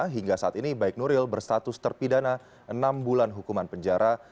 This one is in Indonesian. hingga saat ini baik nuril berstatus terpidana enam bulan hukuman penjara